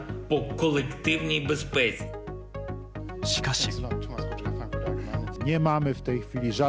しかし。